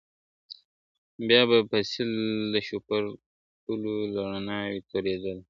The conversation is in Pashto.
بیا به سېل د شوپرکو له رڼا وي تورېدلی ..